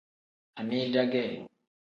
Amida ge.